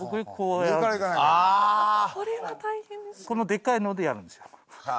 このでかいのでやるんですよ。